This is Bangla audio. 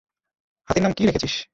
হাতির নাম কী রেখেছিস?